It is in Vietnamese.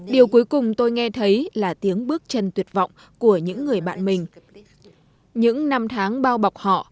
điều cuối cùng tôi nghe thấy là tiếng bước chân tuyệt vọng của những người bạn mình những năm tháng bao bọc họ